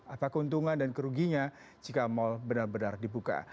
apa keuntungan dan keruginya jika mal benar benar dibuka